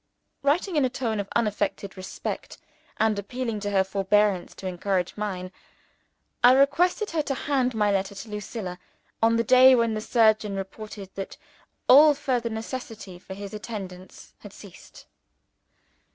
Writing in a tone of unaffected respect, and appealing to her forbearance to encourage mine, I requested her to hand my letter to Lucilla on the day when the surgeon reported that all further necessity for his attendance had ceased.